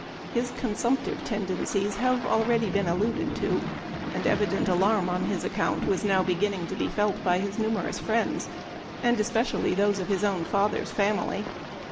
His consumptive tendencies have al ready been alluded to, and evident alarm on his account was now beginning to be felt by his numerous friends, and especially those of his own father's family.